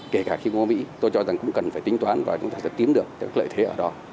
kể cả khi có mỹ tôi cho rằng cũng cần phải tính toán và chúng ta sẽ tín được các lợi thế ở đó